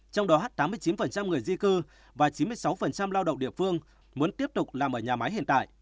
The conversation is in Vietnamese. trong đó tám mươi chín người di cư và chín mươi sáu lao động địa phương muốn tiếp tục làm ở nhà máy hiện tại